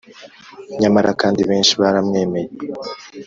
. Nyamara kandi benshi baramwemeye.